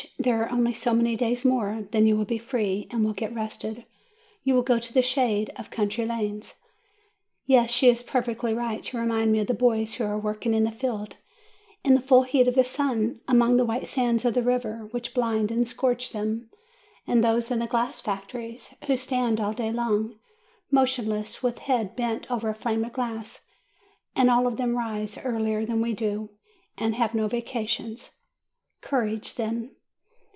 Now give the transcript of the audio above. there are only so many days more : then you will be free, and will get rested, you will go to the shade of country lanes." Yes, she is perfectly right to remind me of the boys who are working in the fields in the full heat of the sun, or among the white sands of the river, which blind and scorch them, and those in the glass factories, who stand all day long, motionless, with head bent over a flame of gas; and all of them rise earlier than we do, and have no vacations. Courage, then!